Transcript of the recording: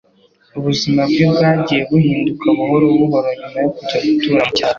Ubuzima bwe bwagiye buhinduka buhoro buhoro nyuma yo kujya gutura mu cyaro.